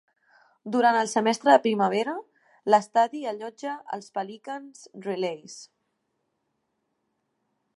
Durant el semestre de primavera, l'estadi allotja els Pelican Relays.